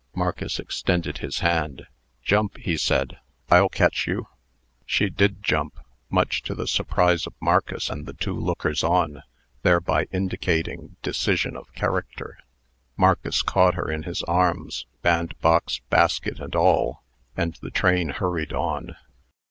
Marcus extended his hand. "Jump!" said he; "I'll catch you." She did jump, much to the surprise of Marcus and the two lookers on thereby indicating decision of character. Marcus caught her in his arms bandbox, basket, and all and the train hurried on.